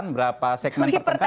berapa segmen pertengkaran